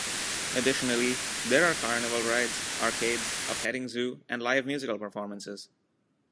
Additionally, there are carnival rides, arcades, a petting zoo, and live musical performances.